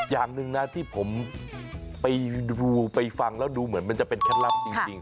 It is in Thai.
อย่างหนึ่งนะที่ผมไปดูไปฟังแล้วดูเหมือนมันจะเป็นเคล็ดลับจริง